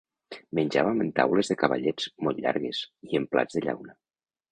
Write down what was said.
Menjàvem en taules de cavallets, molt llargues, i en plats de llauna